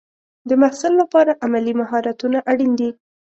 د محصل لپاره عملي مهارتونه اړین دي.